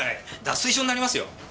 脱水症になりますよ。